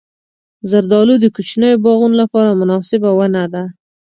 زردالو د کوچنیو باغونو لپاره مناسبه ونه ده.